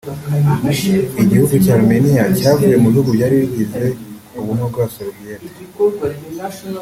Igihugu cya Armenia cyavuye mu bihugu byari bigize ubumwe bw’abasoviyeti